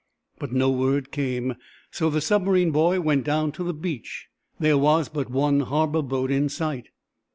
But no word came, so the submarine boy went down to the beach. There was but one harbor boat in sight.